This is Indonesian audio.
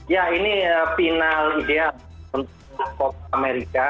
ya ini final ideal untuk pop amerika